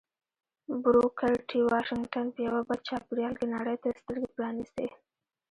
بروکر ټي واشنګټن په یوه بد چاپېريال کې نړۍ ته سترګې پرانيستې